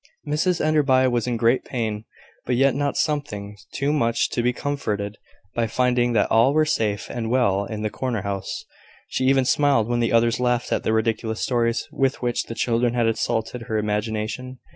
Mrs Enderby was in great pain; but yet not suffering too much to be comforted by finding that all were safe and well in the corner house. She even smiled when the others laughed at the ridiculous stories with which the children had assaulted her imagination.